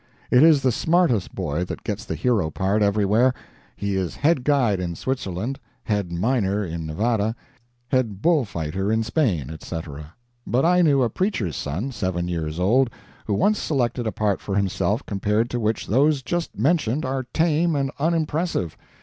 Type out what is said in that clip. It is the smartest boy that gets the hero part everywhere; he is head guide in Switzerland, head miner in Nevada, head bull fighter in Spain, etc.; but I knew a preacher's son, seven years old, who once selected a part for himself compared to which those just mentioned are tame and unimpressive.